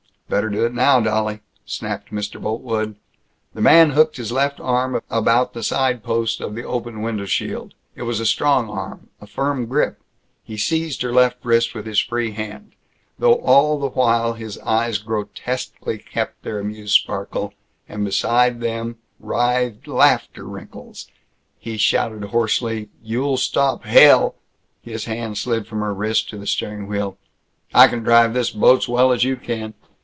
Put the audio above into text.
"Better do it now, dolly!" snapped Mr. Boltwood. The man hooked his left arm about the side post of the open window shield. It was a strong arm, a firm grip. He seized her left wrist with his free hand. Though all the while his eyes grotesquely kept their amused sparkle, and beside them writhed laughter wrinkles, he shouted hoarsely, "You'll stop hell!" His hand slid from her wrist to the steering wheel. "I can drive this boat's well as you can.